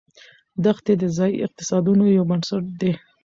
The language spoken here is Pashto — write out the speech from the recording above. دښتې د ځایي اقتصادونو یو بنسټ دی.